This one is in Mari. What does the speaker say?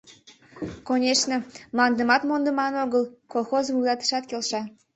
— Конешне, мландымат мондыман огыл, — колхоз вуйлатышат келша.